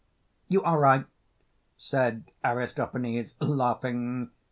You are right, said Aristophanes, laughing.